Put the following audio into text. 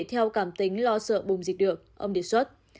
theo cảm tính lo sợ bùng dịch được ông đề xuất